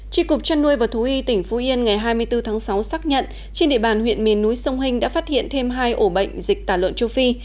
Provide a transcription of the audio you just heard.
tri cục trăn nuôi và thú y tỉnh phú yên ngày hai mươi bốn tháng sáu xác nhận trên địa bàn huyện miền núi sông hình đã phát hiện thêm hai ổ bệnh dịch tả lợn châu phi